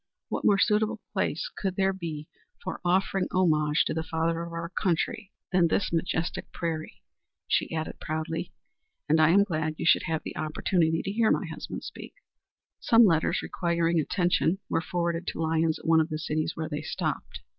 "What more suitable place could there be for offering homage to the father of our country than this majestic prairie?" She added, proudly, "And I am glad you should have the opportunity to hear my husband speak." Some letters requiring attention were forwarded to Lyons at one of the cities where they stopped.